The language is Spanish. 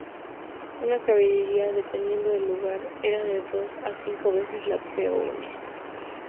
Una caballería, dependiendo del lugar, era de dos a cinco veces la peonía.